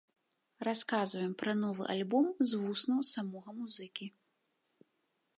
Расказваем пра новы альбом з вуснаў самога музыкі.